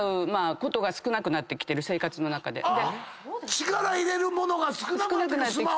力入れるものが少なくなってる。